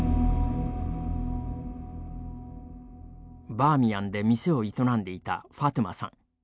バーミヤンで店を営んでいたファトゥマさん。